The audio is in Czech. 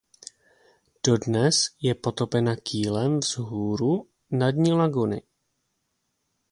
Dodnes je potopena kýlem vzhůru na dně laguny.